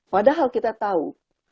padahal kita tahu